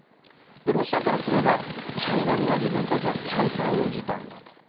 ロシアからすれば、対話には自分たちは再三応じたんだと。